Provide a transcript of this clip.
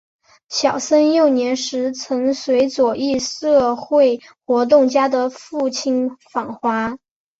小森幼年时曾随左翼社会活动家的父亲访华。